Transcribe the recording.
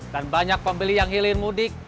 dan banyak pembeli yang hilir mudik